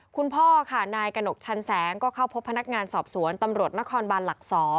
คุณพ่อค่ะนายกระหนกชันแสงก็เข้าพบพนักงานสอบสวนตำรวจนครบานหลัก๒